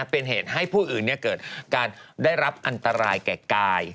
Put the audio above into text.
เป็นเหตุให้ผู้อื่นเกิดการได้รับอันตรายแก่กาย